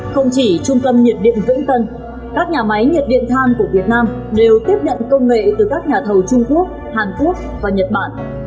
không chỉ trung tâm nhiệt điện vĩnh tân các nhà máy nhiệt điện than của việt nam đều tiếp nhận công nghệ từ các nhà thầu trung quốc hàn quốc và nhật bản